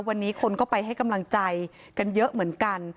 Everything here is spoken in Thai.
วันนี้คนก็ไปให้กำลังใจกันเยอะเหมือนกัน